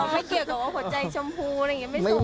ไม่เกี่ยวกับว่าหัวใจชมพูอะไรอย่างนี้ไม่สวย